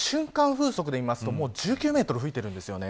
風速で見ますともう１９メートル吹いているんです。